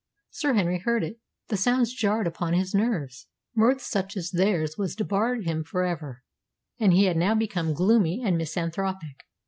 Sir Henry heard it. The sounds jarred upon his nerves. Mirth such as theirs was debarred him for ever, and he had now become gloomy and misanthropic.